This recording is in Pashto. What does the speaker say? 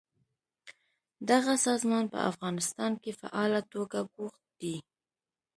دغه سازمان په افغانستان کې فعاله توګه بوخت دی.